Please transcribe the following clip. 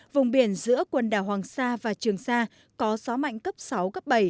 vùng biển giữa quần đảo hoàng sa và trường sa có gió mạnh cấp sáu cấp bảy